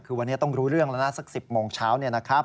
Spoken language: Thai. คือวันนี้ต้องรู้เรื่องแล้วนะสัก๑๐โมงเช้า